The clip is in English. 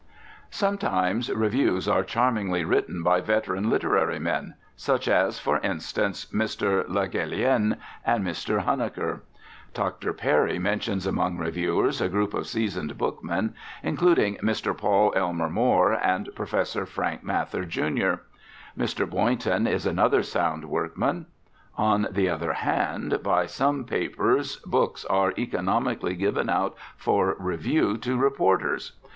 Sometimes reviews are charmingly written by veteran literary men, such as, for instance, Mr. Le Gallienne, and Mr. Huneker. Dr. Perry mentions among reviewers a group of seasoned bookmen, including Mr. Paul Elmer More and Professor Frank Mather, Jr. Mr. Boynton is another sound workman. On the other hand, by some papers, books are economically given out for review to reporters.